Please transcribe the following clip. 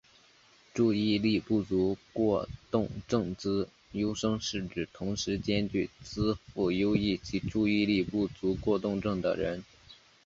注意力不足过动症资优生是指同时兼具资赋优异及注意力不足过动症的人。